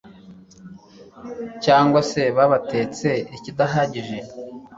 cyangwa se batetse ikidahagije